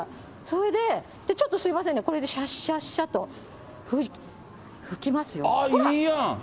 それで、ちょっとすみませんね、これでしゃっしゃっしゃっと拭きますよ。